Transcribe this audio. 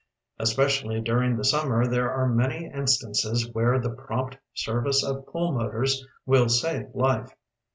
Especially during the summer there are many instances where the prompt service of pulmotorB will save life.